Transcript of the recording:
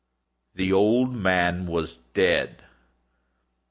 The old man was dead.